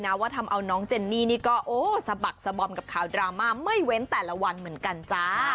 ว่าทำเอาน้องเจนนี่นี่ก็โอ้สะบักสะบอมกับข่าวดราม่าไม่เว้นแต่ละวันเหมือนกันจ้า